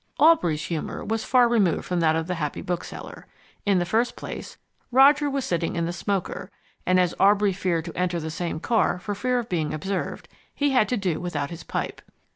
Aubrey's humour was far removed from that of the happy bookseller. In the first place, Roger was sitting in the smoker, and as Aubrey feared to enter the same car for fear of being observed, he had to do without his pipe.